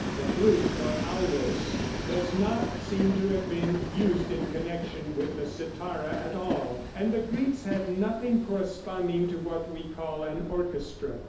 The flute or aulos does not seem to have been used in connection with the cithara at all, and the Greeks had nothing corresponding to what we call an orchestra.